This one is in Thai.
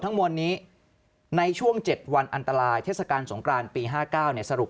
ทั้งหมดนี้ในช่วง๗วันอันตรายเทศกาลสงครานปี๕๙สรุป